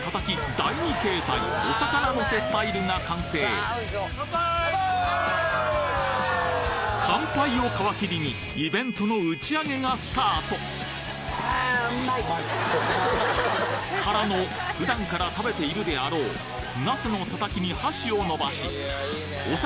第二形態お魚のせスタイルが完成乾杯を皮切りにイベントの打ち上げがスタート！からの普段から食べているであろうなすのたたきに箸をのばしお魚